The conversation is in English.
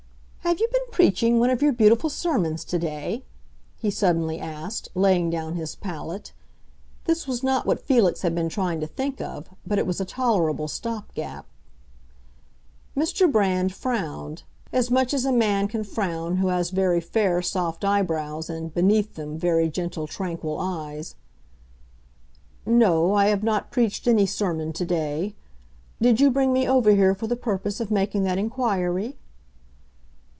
"Have you been preaching one of your beautiful sermons today?" he suddenly asked, laying down his palette. This was not what Felix had been trying to think of, but it was a tolerable stop gap. Mr. Brand frowned—as much as a man can frown who has very fair, soft eyebrows, and, beneath them, very gentle, tranquil eyes. "No, I have not preached any sermon today. Did you bring me over here for the purpose of making that inquiry?"